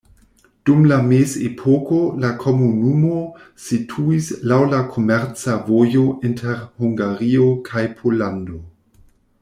Dum la mezepoko la komunumo situis laŭ la komerca vojo inter Hungario kaj Pollando.